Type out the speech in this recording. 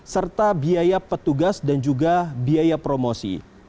serta biaya petugas dan juga biaya promosi